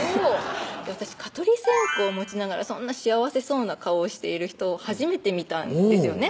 私蚊取り線を持ちながらそんな幸せそうな顔をしている人初めて見たんですよね